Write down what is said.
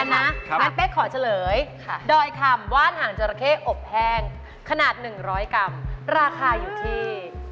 งั้นเป๊กขอเฉลยดอยคำว่านหางจราเข้อบแห้งขนาด๑๐๐กรัมราคาอยู่ที่